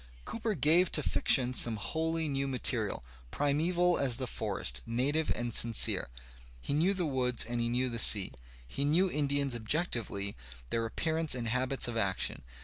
Cooper gave to fiction some wholly new material, primeval \ as the forest, native and sincere. He knew the woods and he knew the sea. He knew Indians objectively, their ap pearance and habits of action.